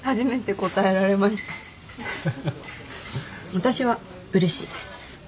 私はうれしいです。